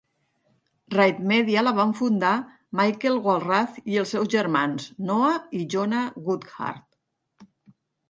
Right Media la van fundar Michael Walrath i els seus germans, Noah i Jonah Goodhart.